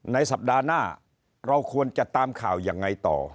ในสัปดาห์หน้าเราควรจะตามข่าวยังไงต่อ